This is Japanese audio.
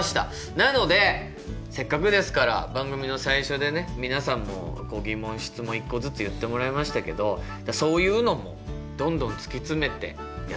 なのでせっかくですから番組の最初でね皆さんも疑問質問１個ずつ言ってもらいましたけどそういうのもどんどん突き詰めてやっていきましょう。